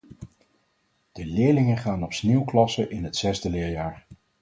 De leerlingen gaan op sneeuwklassen in het zesde leerjaar.